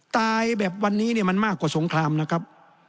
ตายแบบวันนี้เนี่ยมันมากกว่าสงครามนะครับ